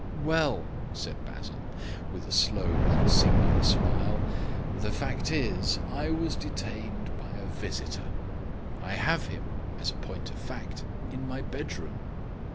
"Well," said Basil, with a slow and singular smile, "the fact is I was detained by a visitor. I have him, as a point of fact, in my bedroom."